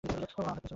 ও আঘাত পেয়েছে।